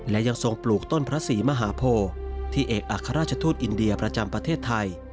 และยังทรงปลูกต้นพระศรีมหาโพที่เอกอัครราชทูตอินเดียประจำประเทศไทย